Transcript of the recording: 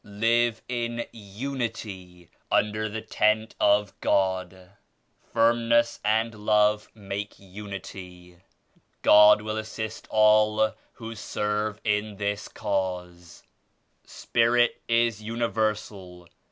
Live in Unity under the Tent of God. Firmness and Love make Unity. God will assist all who serve in this Cause." "Spirit is universal.